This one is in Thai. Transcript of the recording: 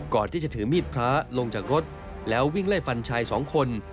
ก่อนที่จะถือมีดพระลงจากรถแล้ววิ่งไล่ฟันชายสองคน